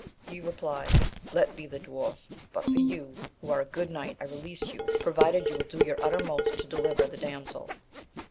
He replied, let be the dwarf ! but for you, who are a good knight, I release you, provided you will do your uttermost to deliver the damsel.